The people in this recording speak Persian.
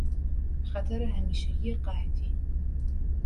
خطر همیشگی قحطی